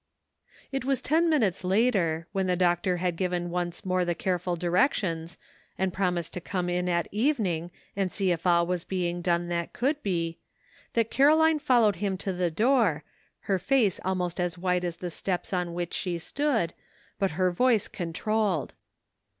It was ten minutes later, when the doctor had given once more the careful directions, and promised to come in at evening and see if all was being done that could be, that Caroline followed him to the door, her face almost as white as the steps on which she stood, but her voice controlled.